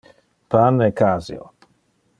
Pan e caseo.